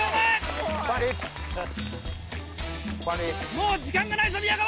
もう時間がないぞ宮川。